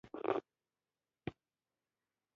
د اوبو سطحه تل افقي وي.